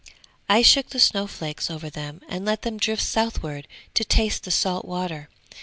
I shook the snow flakes over them and let them drift southwards to taste the salt water.